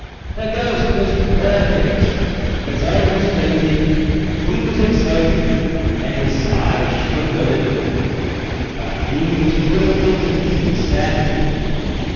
The ghost was perfect. As I have stated, he was excited and his sigh shook a little, but he was full of dignity and sadity.